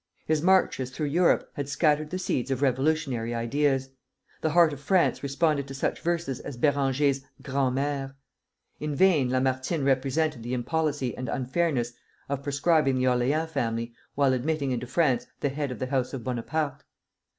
His marches through Europe had scattered the seeds of revolutionary ideas. The heart of France responded to such verses as Béranger's "Grand' mère." In vain Lamartine represented the impolicy and unfairness of proscribing the Orleans family while admitting into France the head of the house of Bonaparte.